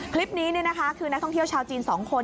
คลิปนี้คือนักท่องเที่ยวชาวจีน๒คน